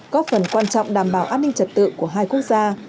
có phần quan trọng đảm bảo an ninh trật tự của hai quốc gia